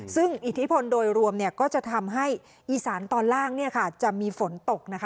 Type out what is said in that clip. ซึ่งอิทธิพลโดยรวมก็จะทำให้อีสานตอนล่างจะมีฝนตกนะคะ